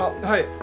はい。